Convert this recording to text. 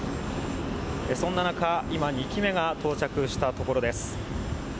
そんな中、今２機目が到着したところです。